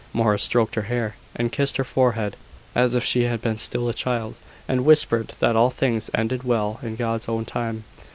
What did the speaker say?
Morris stroked her hair, and kissed her forehead, as if she had been still a child, and whispered that all things ended well in God's own time.